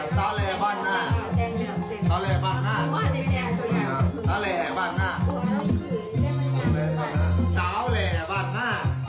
สาวแหล่บาดหน้า